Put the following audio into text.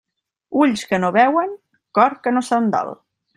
Ulls que no veuen, cor que no se'n dol.